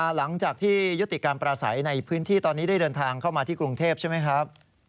หลังจากที่ยุติการปราศัยในพื้นที่ตอนนี้ได้เดินทางเข้ามาที่กรุงเทพใช่ไหมครับ